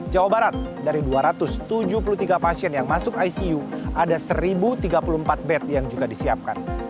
jawa barat dari dua ratus tujuh puluh tiga pasien yang masuk icu ada satu tiga puluh empat bed yang juga disiapkan